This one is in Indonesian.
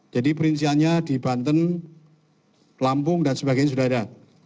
jadi perinciannya di banten lampung dan sebagainya sudah ada